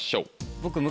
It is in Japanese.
僕。